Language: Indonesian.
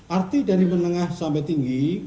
arti dari menengah sampai tinggi